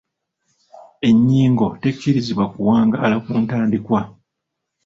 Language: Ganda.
Ennyingo tekkirizibwa kuwangaala ku ntandikwa.